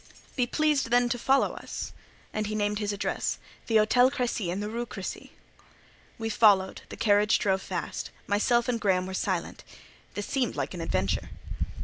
"Be pleased, then, to follow us." And he named his address: "The Hôtel Crécy, in the Rue Crécy." We followed; the carriage drove fast; myself and Graham were silent. This seemed like an adventure.